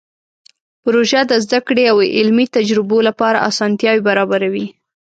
پروژه د زده کړې او علمي تجربو لپاره اسانتیاوې برابروي.